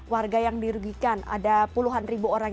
warga yang dirugikan ada puluhan ribu orang